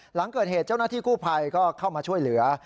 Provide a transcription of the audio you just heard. หลังเกิดเหตุเจ้าหน้าที่กู้ภัยก็เข้ามาช่วยเหลือ